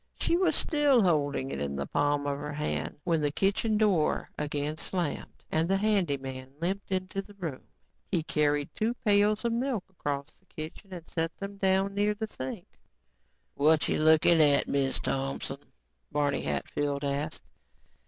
She was still holding it in the palm of her hand when the kitchen door again slammed and the handy man limped into the room. He carried two pails of milk across the kitchen and set them down near the sink. "Whatcha lookin' at, Miz Thompson?" Barney Hatfield asked.